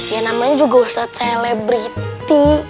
ya namanya juga ustadz selebriti